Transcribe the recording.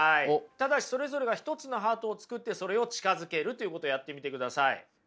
ただしそれぞれが一つのハートを作ってそれを近づけるっていうことやってみてください。